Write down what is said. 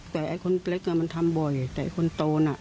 แต่คนเล็กก็มันทำบ่อยแต่คนโตน่ะ